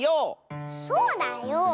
そうだよ。